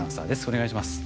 お願いします。